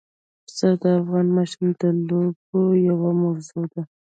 پسه د افغان ماشومانو د لوبو یوه موضوع ده.